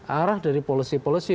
arah dari polisi polisi